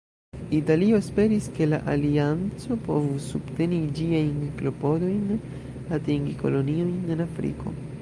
Italio esperis, ke la alianco povus subteni ĝiajn klopodojn atingi koloniojn en Afriko.